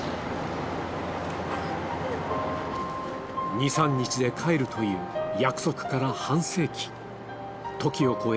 「２３日で帰る」という約束から半世紀時を超え